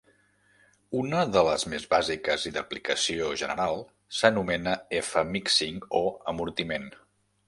Una de les més bàsiques i d'aplicació general s'anomena "F-mixing" o amortiment.